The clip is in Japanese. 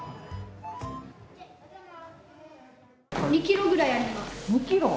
２キロぐらいあります。